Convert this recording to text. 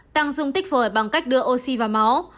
tăng dung tích phổi bằng cách đưa oxy vào máu